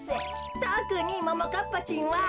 とくにももかっぱちんは。